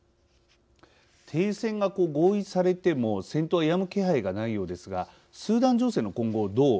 停戦が合意されても戦闘はやむ気配がないようですがスーダン情勢の今後をどう見ますか。